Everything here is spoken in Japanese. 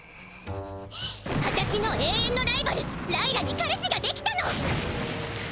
あたしのえいえんのライバルライラに彼氏ができたの！